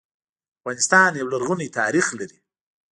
افغانستان يو لرغونی تاريخ لري